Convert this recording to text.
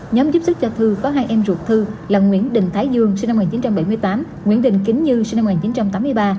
nhóm giúp sức cho thư có hai em ruột thư là nguyễn đình thái dương sinh năm một nghìn chín trăm bảy mươi tám nguyễn đình kính như sinh năm một nghìn chín trăm tám mươi ba